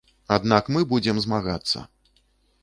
Аднак мы будзем змагацца.